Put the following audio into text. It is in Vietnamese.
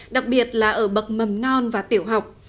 đặc biệt là ở bậc mầm non và tiểu học